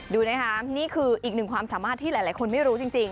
ดูนะคะนี่คืออีกหนึ่งความสามารถที่หลายคนไม่รู้จริง